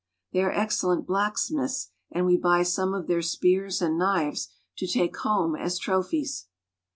They are excellent blacksmiths, and we buy some of their spears and knives to take home as trophies.